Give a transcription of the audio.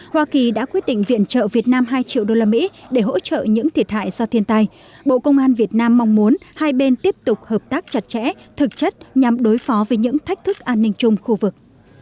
hoa kỳ đã quyết định viện trợ việt nam hai triệu usd để hỗ trợ những thiệt hại do thiên tai bộ công an việt nam mong muốn hai bên tiếp tục hợp tác chặt chẽ thực chất nhằm đối phó với những thách thức an ninh chung khu vực